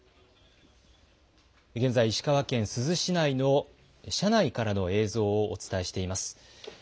現在、石川県珠洲市内の車内からの映像をお伝えしています。